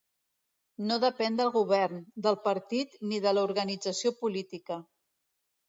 No depèn del govern, del partit ni de l'organització política.